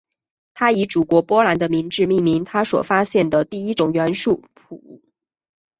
她以祖国波兰的名字命名她所发现的第一种元素钋。